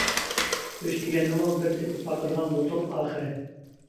گۆش دېگەننىمۇ بىر تېتىپ باقىدىغان بولدۇق ئاخىرى.